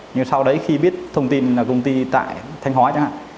nhưng sau đấy khi biết thông tin là công ty tại thanh hóa chẳng hạn